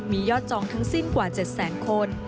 มียอดจองทั้งสิ้นกว่า๗แสนคน